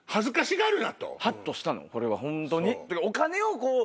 ハッとしたのこれはホントに。